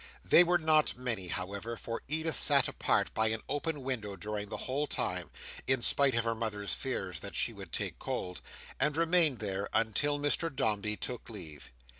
They were not many, however, for Edith sat apart by an open window during the whole time (in spite of her mother's fears that she would take cold), and remained there until Mr Dombey took leave.